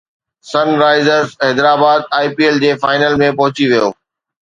سن Risers Hyderabad I P L جي final ۾ پهچي ويو